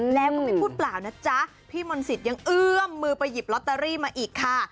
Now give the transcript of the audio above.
แล้วก็ไม่พูดเปล่านะจ๊ะพี่มนต์สิทธิ์ยังเอื้อมมือไปหยิบลอตเตอรี่มาอีกค่ะ